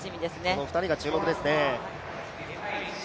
この２人が注目ですね。